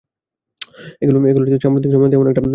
এগুলো সাম্প্রতিক সময়ে তেমন একটা খাইনি!